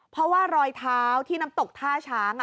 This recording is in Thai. เพราะว่ารอยเท้าที่น้ำตกท่าช้าง